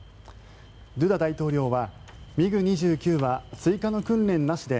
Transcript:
ドゥダ大統領はＭｉＧ２９は追加の訓練なしで